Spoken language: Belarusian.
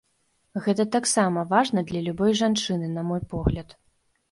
Гэта таксама важна для любой жанчыны, на мой погляд.